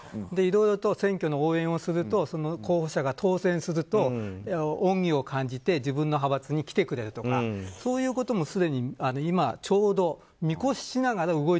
いろいろと選挙の応援をしてその候補者が当選すると恩義を感じて自分の派閥に来てくれるとかそういうこともすでに今ちょうど見越している。